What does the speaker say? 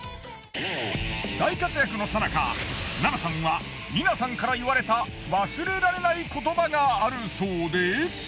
大活躍のさなかＮＡＮＡさんはＬＩＮＡさんから言われた忘れられない言葉があるそうで。